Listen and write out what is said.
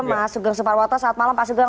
mas sugeng suparwata salam malam mas sugeng